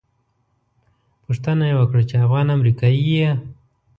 پوښتنه یې وکړه چې افغان امریکایي یې.